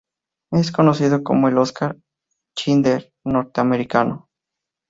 Es conocido como ""El Oskar Schindler norteamericano"".